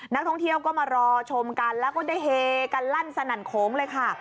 นักท่องเที่ยวก็มารอชมกันแล้วก็ได้เฮกันลั่นสนั่นโขงเลยค่ะ